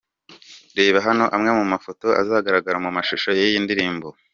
Reba hano amwe mu mafoto azagaragara mu mashusho y'iyi ndirimbo.